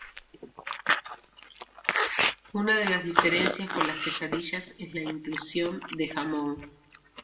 Una de las diferencias con las quesadillas es la inclusión de jamón.